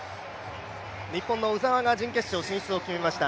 日本の鵜澤が準決勝進出を決めました。